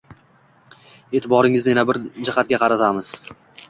E’tiboringizni yana bir jihatga qaratamiz: f